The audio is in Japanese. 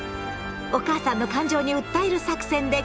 お母さんの感情に訴える作戦で勝負！